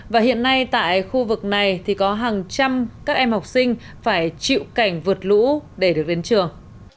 và hiện nay tại khu vực này thì có hàng trăm các em học sinh phải chịu cảnh vượt lũ để được đến trường